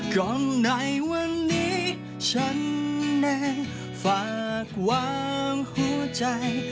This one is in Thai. ก่อนไหนวันนี้ฉันแน่งฝากวางหัวใจ